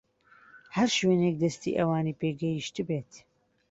هەر شوێنێک دەستی ئەوانی پێگەیشتبێت